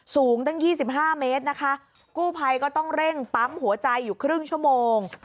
สูงตั้ง๒๕เมตรนะคะกู้ภัยก็ต้องเร่งปั๊มหัวใจอยู่ครึ่งชั่วโมง